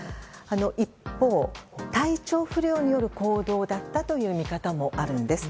一方、体調不良による行動だったという見方もあるんです。